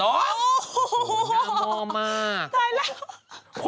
น่าง่วมมาก